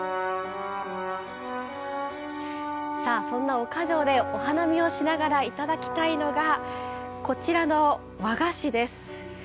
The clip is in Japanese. そんな岡城でお花見をしながらいただきたいのがこちらの和菓子です。